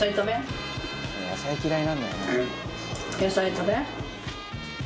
野菜食べ。